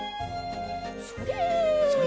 それ。